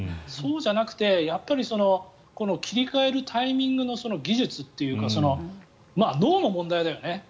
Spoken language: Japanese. そうじゃなくて、やっぱり切り替えるタイミングの技術というか脳の問題だよね